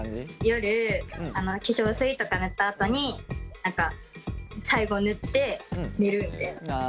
夜化粧水とか塗ったあとに最後塗って寝るみたいな。